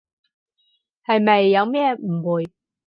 係咪有咩誤會？